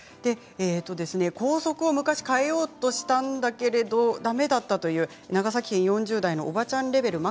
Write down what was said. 校則は昔変えようとしたんだけれどだめだったという長崎県４０代の方からです。